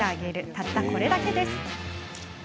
たったこれだけです。